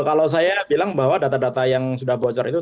kalau saya bilang bahwa data data yang sudah bocor itu